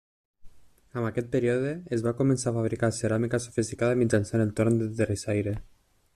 En aquest període es va començar a fabricar ceràmica sofisticada mitjançant el torn de terrissaire.